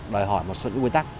đòi hỏi một số nguyên tắc